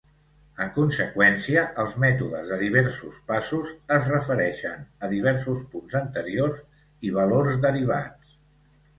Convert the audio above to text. En conseqüència, els mètodes de diversos passos es refereixen a diversos punts anteriors i valors derivats.